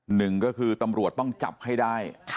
หนึ่งก็คือตำรวจต้องจับให้ได้